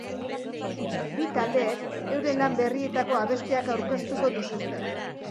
Bi taldeek euren lan berrietako abestiak aurkeztuko dituzte.